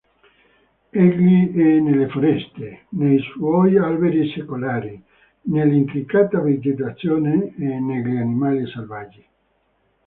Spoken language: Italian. Egli è nelle foreste, nei suoi alberi secolari, nell'intricata vegetazione e negli animali selvaggi.